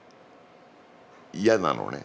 嫌なのね。